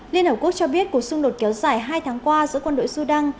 liên hợp quốc cho biết cuộc xung đột kéo dài hai tháng qua giữa quân đội sudan